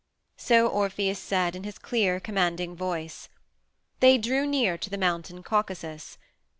So Orpheus said in his clear, commanding voice. They drew near to the Mountain Caucasus.